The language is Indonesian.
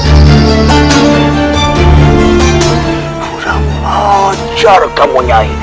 tidak mengajar kamu nyai